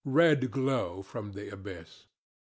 Red glow from the abyss].